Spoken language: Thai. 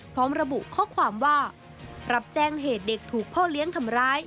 พร้อมระบุข้อความว่ารับแจ้งเหตุเด็กถูกพ่อเลี้ยงทำร้าย